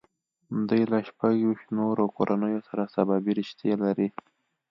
دوی له شپږ ویشت نورو کورنیو سره سببي رشتې لري.